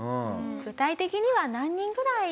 具体的には何人ぐらい？